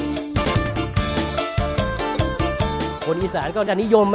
คนตอนอีสานก็จะมีนิยม